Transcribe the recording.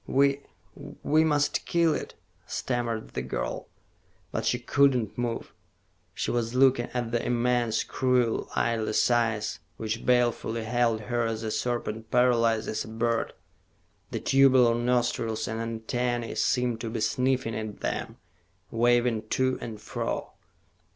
"We we must kill it," stammered the girl. But she could not move. She was looking at the immense, cruel, lidless eyes, which balefully held her as a serpent paralyzes a bird. The tubular nostrils and antennae seemed to be sniffing at them, waving to and fro.